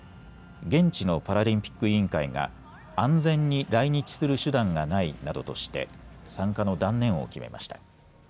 現地のパラリンピック委員会が安全に来日する手段がないなどとして参加の断念を決めました。